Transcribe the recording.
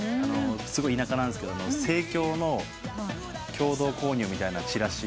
すごい田舎なんですけど生協の共同購入みたいなチラシを。